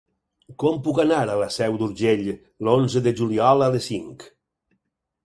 Com puc anar a la Seu d'Urgell l'onze de juliol a les cinc?